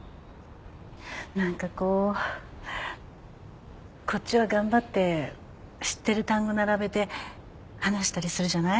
何かこうこっちは頑張って知ってる単語並べて話したりするじゃない？